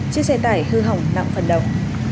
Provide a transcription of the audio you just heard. chiếc xe tải hư hỏng nặng phần đầu